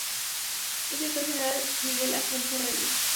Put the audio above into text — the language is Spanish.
El director general es Miguel Alonso Reyes.